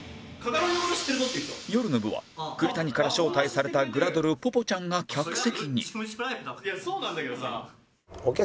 夜の部は栗谷から招待されたグラドルぽぽちゃんが客席に